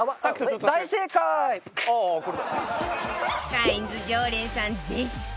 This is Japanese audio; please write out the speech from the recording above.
カインズ常連さん絶賛！